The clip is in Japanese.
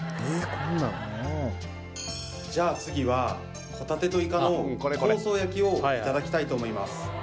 こんなんじゃあ次はホタテとイカの香草焼きをいただきたいと思います